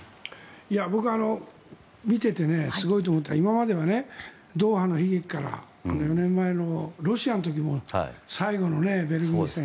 僕は見ててすごいと思ったのは今までは、ドーハの悲劇から４年前のロシアの時も最後のベルギー戦。